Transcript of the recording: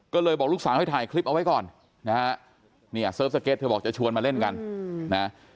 ก็เลยบอกลูกสาวให้ถ่ายคลิปเอาไว้ก่อนนะฮะเนี่ยเสิร์ฟสเก็ตเธอบอกจะชวนมาเล่นกันนะ